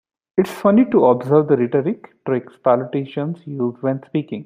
It's funny to observe the rhetoric tricks politicians use when speaking.